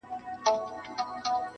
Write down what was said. o مشره زه يم کونه د دادا لو ده!